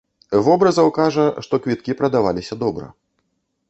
Вобразаў кажа, што квіткі прадаваліся добра.